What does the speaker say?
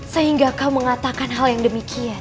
sehingga kau mengatakan hal yang demikian